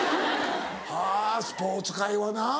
はぁスポーツ界はな